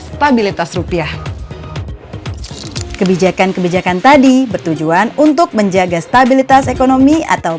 stabilitas rupiah kebijakan kebijakan tadi bertujuan untuk menjaga stabilitas ekonomi atau